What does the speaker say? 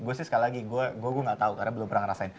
gue sih sekali lagi gue gue gak tau karena belum pernah ngerasain